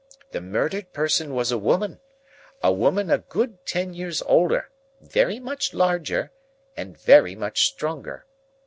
The murdered person was a woman,—a woman a good ten years older, very much larger, and very much stronger.